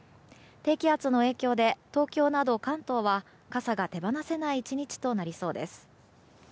低気圧の影響で東京など関東は傘が手放せない１日となりそうです。